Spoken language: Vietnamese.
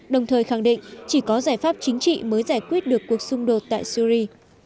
đồng thời khẳng định chỉ có giải pháp chính trị mới giải quyết được cuộc xung đột tại syri